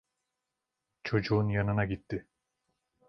Çocuğun yanına gitti.